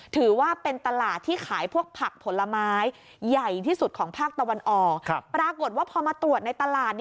ถือว่าเป็นตลาดที่ขายพวกผักผลไม้